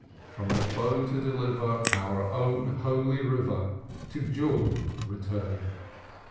From the foe to deliver Our own holy river, To Jordan return.'